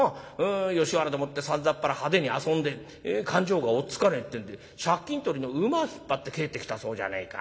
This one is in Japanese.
吉原でもってさんざっぱら派手に遊んで勘定が追っつかねえってんで借金取りの馬引っ張って帰ってきたそうじゃねえか。